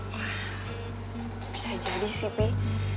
wah bisa jadi sih pih